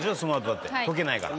だって溶けないから。